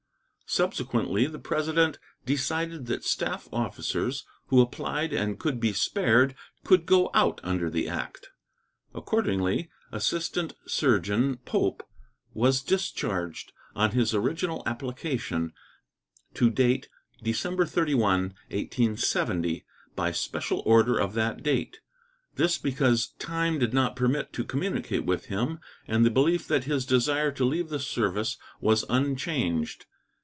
Subsequently the President decided that staff officers who applied and could be spared could go out under the act. Accordingly, Assistant Surgeon Pope was discharged, on his original application, to date December 31, 1870, by special order of that date, this because time did not permit to communicate with him, and the belief that his desire to leave the service was unchanged.